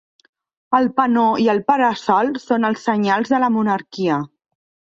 El penó i el para-sol són els senyals de la monarquia.